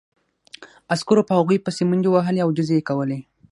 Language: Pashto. عسکرو په هغوی پسې منډې وهلې او ډزې یې کولې